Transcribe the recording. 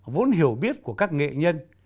vốn hiểu biết của các nghệ nhân